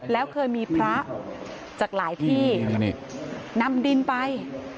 แล้วเคยมีพระจากหลายที่นำดินไป